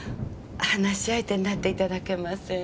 話し相手になって頂けません？